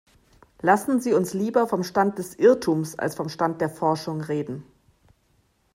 Lassen Sie uns lieber vom Stand des Irrtums als vom Stand der Forschung reden.